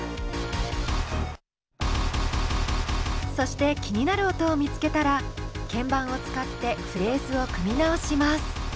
そして気になる音を見つけたら鍵盤を使ってフレーズを組み直します。